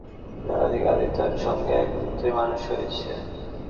ছেলেবেলা থেকে আদিতদার সঙ্গে একত্রে মানুষ হয়েছি।